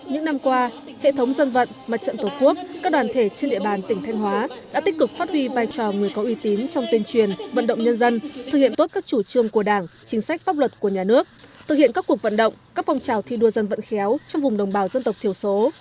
những năm qua hệ thống dân vận mặt trận tổ quốc các đoàn thể trên địa bàn tỉnh thanh hóa đã tích cực phát huy vai trò người có uy tín trong tuyên truyền vận động nhân dân thực hiện tốt các chủ trương của đảng chính sách pháp luật của nhà nước thực hiện các cuộc vận động các phong trào thi đua dân vận khéo trong vùng đồng bào dân tộc thiểu số